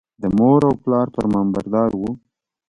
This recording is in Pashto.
د مور او پلار فرمانبردار و.